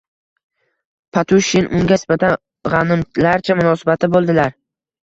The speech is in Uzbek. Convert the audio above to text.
Patushin unga nisbatan g‘animlarcha munosabatda bo‘ldilar